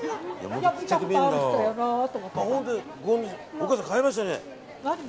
お母さん、買いましたね。